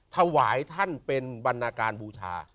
ถวายท่านเป็นบรรณาการบูชา